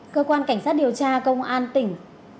cơ quan cảnh sát điều tra công an tỉnh